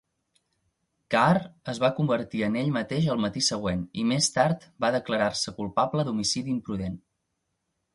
Carr es va convertir en ell mateix el matí següent i més tard va declarar-se culpable d'homicidi imprudent.